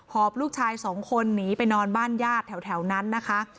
อบลูกชายสองคนหนีไปนอนบ้านญาติแถวนั้นนะคะ